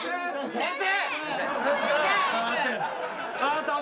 先生！